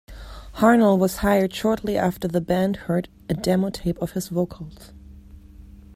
Harnell was hired shortly after the band heard a demo tape of his vocals.